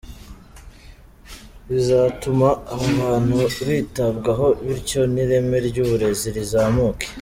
Bizatuma aba bana bitabwaho bityo n’ireme ry’uburezi rizamuke”.